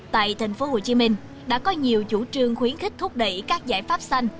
tại tp hcm đã có nhiều chủ trương khuyến khích thúc đẩy các giải pháp xanh